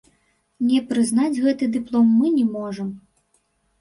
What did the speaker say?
Не прызнаць гэты дыплом мы не можам.